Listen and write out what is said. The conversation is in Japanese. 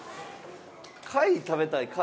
貝食べたい貝。